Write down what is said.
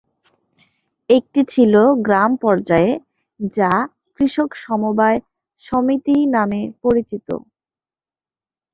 একটি ছিল গ্রাম পর্যায়ে যা কৃষক সমবায় সমিতি নামে পরিচিত।